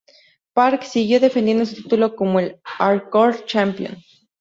Park siguió defendiendo su título como el Hardcore Champion.